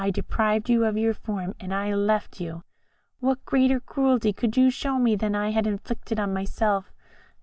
I deprived you of your form, and I left you. What greater cruelty could you show me than I had inflicted on myself?